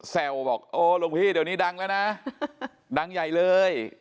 บอกโอ้หลวงพี่เดี๋ยวนี้ดังแล้วนะดังใหญ่เลย